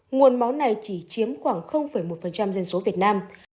nguồn máu này chỉ chiếm khoảng một dân số việt nam